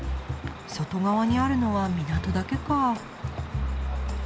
外側にあるのは港だけか。